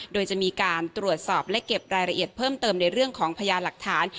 โดยจะมีการตรวจสอบและเก็บรายละเอียดเพิ่มเติมในเรื่องของพยานหลักฐาน